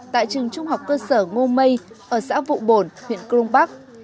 tại trường trung học cơ sở ngô mây ở xã vụ bổn huyện crong park